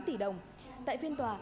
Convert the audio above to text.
bốn tỷ đồng tại phiên tòa